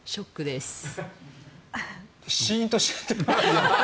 シーンとしちゃった。